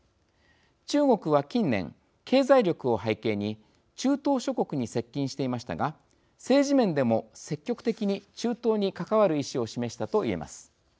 中国は、近年、経済力を背景に中東諸国に接近していましたが政治面でも積極的に中東に関わる意思を示したと言えます。